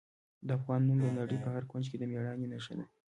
د افغان نوم د نړۍ په هر کونج کې د میړانې نښه ده.